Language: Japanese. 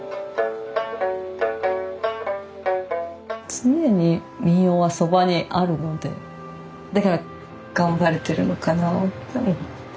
常に民謡はそばにあるのでだから頑張れてるのかなって思ってて。